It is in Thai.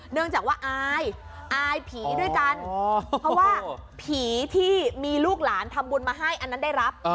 เนื่องจากว่าอายอายผีด้วยกันเพราะว่าผีที่มีลูกหลานทำบุญมาให้อันนั้นได้รับ